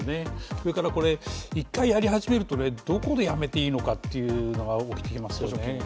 それから、１回やり始めると、どこでやめていいのかということが起きてきますよね。